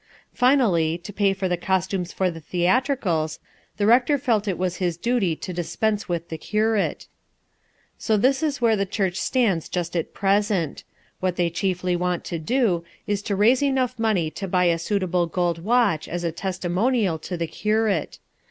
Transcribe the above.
Finally, to pay for the costumes for the theatricals, the rector felt it his duty to dispense with the curate. So that is where the church stands just at present. What they chiefly want to do, is to raise enough money to buy a suitable gold watch as a testimonial to the curate.